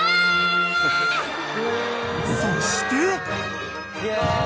［そして］